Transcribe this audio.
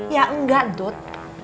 ya enggak dot